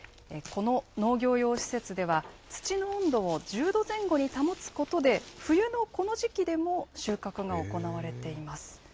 この農業用施設では、土の温度を１０度前後に保つことで、冬のこの時期でも収穫が行われています。